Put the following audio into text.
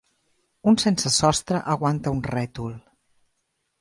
Un sensesostre aguanta un rètol.